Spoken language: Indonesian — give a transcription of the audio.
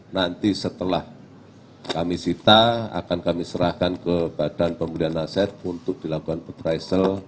nanti setelah kami sita akan kami serahkan ke badan pemulihan naset untuk dilakukan petraisal